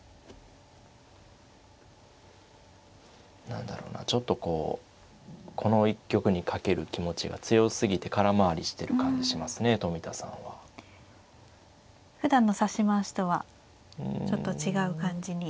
何だろうなちょっとこうこの一局に懸ける気持ちが強すぎて空回りしてる感じしますね冨田さんは。ふだんの指し回しとはちょっと違う感じに。